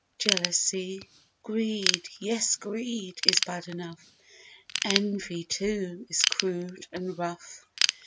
"Jealousy!" "Greed!" Yes, "Greed" is bad enough! "Envy," too, is crude and rough!